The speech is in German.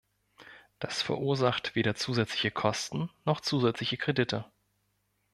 Das verursacht weder zusätzliche Kosten noch zusätzliche Kredite.